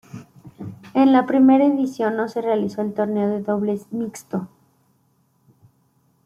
En la primera edición no se realizó el torneo de dobles mixto.